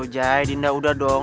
aduh jaya dinda udah dong